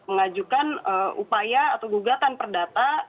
mengajukan upaya atau gugatan perdata